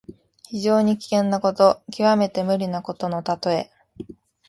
非常に危険なこと、きわめて無理なことのたとえ。